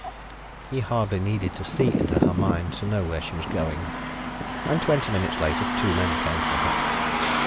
He hardly needed to see into her mind to know where she was going. And twenty minutes later two men came to the hut.